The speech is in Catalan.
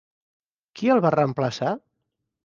Qui el va reemplaçar?